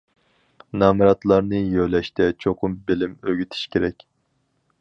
نامراتلارنى يۆلەشتە چوقۇم بىلىم ئۆگىتىش كېرەك.